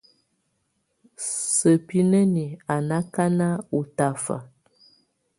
Sǝ́binǝniǝ́ á ná ákáná ɔ́ tafa.